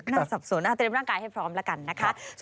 สับสนเตรียมร่างกายให้พร้อมแล้วกันนะคะ